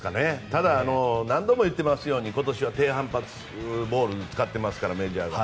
ただ、何度も言ってますように今年は低反発ボールを使ってますからメジャーで。